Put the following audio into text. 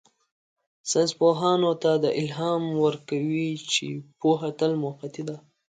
ساینسپوهانو ته دا الهام ورکوي چې پوهه تل موقتي ده.